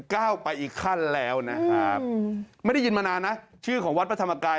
ก้าวไปอีกขั้นแล้วนะครับไม่ได้ยินมานานนะชื่อของวัดพระธรรมกาย